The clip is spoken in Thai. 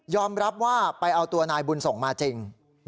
รับว่าไปเอาตัวนายบุญส่งมาจริง